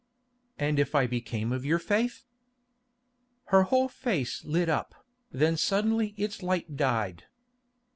"And if I became of your faith?" Her whole face lit up, then suddenly its light died.